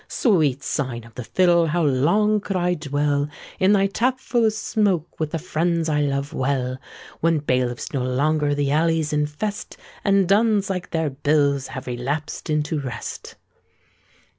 Sweet Sign of the Fiddle! how long could I dwell In thy tap full of smoke, with the friends I love well; When bailiffs no longer the alleys infest, And duns, like their bills, have relapsed into rest.